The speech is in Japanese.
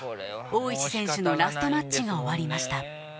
大石選手のラストマッチが終わりました